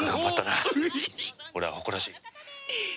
俺は誇らしい。